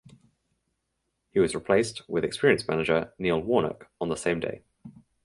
He was replaced with experienced manager Neil Warnock on the same day.